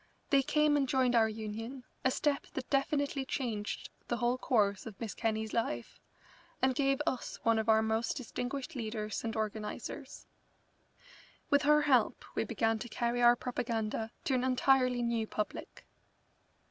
They came and joined our Union, a step that definitely changed the whole course of Miss Kenney's life, and gave us one of our most distinguished leaders and organisers. With her help we began to carry our propaganda to an entirely new public.